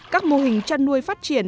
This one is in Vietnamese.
các mô hình chăn nuôi phát triển